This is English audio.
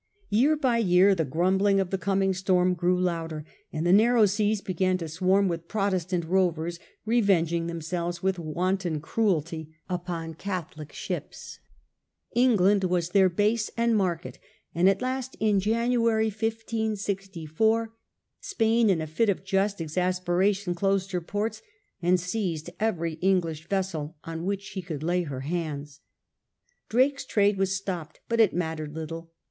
Year by year the grumbling of the coming storm grew louder, and the narrow seas began to swarm with Protestant rovers revenging themselves with wanton cruelty upon Catholic ships. England was their base and market^ and at last, in January, 1564, Spain, in a fit of just exasperation, closed her ports and seized every English vessel on which she could lay her hands. Drake's trade was stopped, but it mattered little.